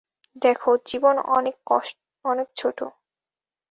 দেখো, জীবন অনেক ছোট।